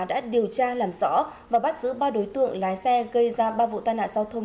đã điều tra làm rõ và bắt giữ ba đối tượng lái xe gây ra ba vụ tai nạn giao thông